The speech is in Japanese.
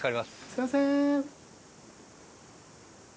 すいません。